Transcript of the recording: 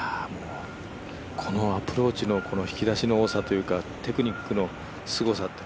このアプローチの引き出しの多さというかテクニックのすごさ